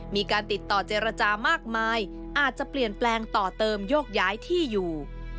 มีการติดต่อเจรจามากมายอาจจะเปลี่ยนแปลงต่อเติมโยกย้ายที่อยู่